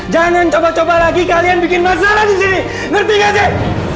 jangan coba coba lagi kalian bikin masalah disini ngerti gak sih